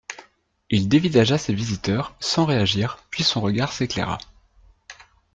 Il dévisagea ses visiteurs sans réagir puis son regard s’éclaira.